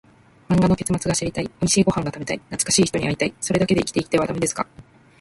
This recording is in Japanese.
漫画の結末が知りたい、おいしいご飯が食べたい、懐かしい人に会いたい、それだけで生きていてはダメですか？